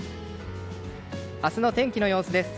明日の天気の様子です。